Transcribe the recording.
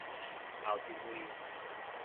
後一位